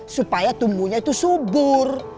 supaya tumbuhnya itu subur